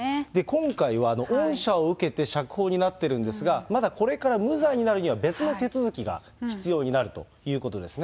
今回は恩赦を受けて釈放になってるんですが、まだこれから無罪になるには、別の手続きが必要になるということですね。